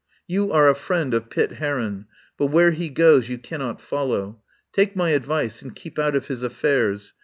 You are a friend of Pitt Heron, but where he goes you cannot follow. Take my advice and keep out of his affairs.